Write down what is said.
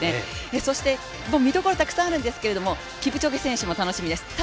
見どころはたくさんあるんですけれども、キプチョゲ選手も楽しみです。